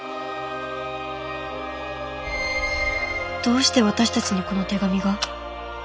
どうして私たちにこの手紙が？